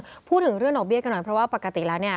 พูดถึงเรื่องดอกเบี้ยกันหน่อยเพราะว่าปกติแล้วเนี่ย